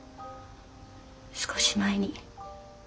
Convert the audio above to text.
少し前に。